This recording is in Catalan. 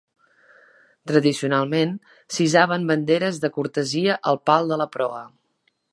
Tradicionalment, s"hissaven banderes de cortesia al pal de la proa.